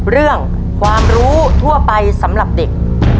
เรื่องความรู้ทั่วไปสำหรับเด็ก